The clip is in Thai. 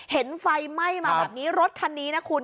เห็นไฟไหม้มาแบบนี้รถคันนี้นะคุณ